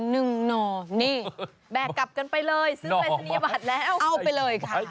หน่อนี่แบกกลับกันไปเลยซื้อปรายศนียบัตรแล้วเอาไปเลยค่ะ